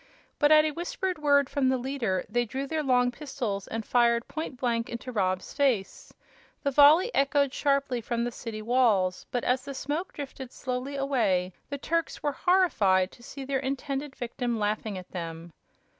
But at a whispered word from the leader, they drew their long pistols and fired point blank into Rob's face. The volley echoed sharply from the city walls, but as the smoke drifted slowly away the Turks were horrified to see their intended victim laughing at them.